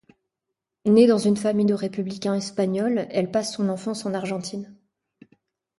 Née dans une famille de républicains espagnols, elle passe son enfance en Argentine.